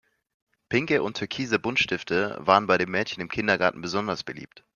Pinke und türkise Buntstifte waren bei den Mädchen im Kindergarten besonders beliebt.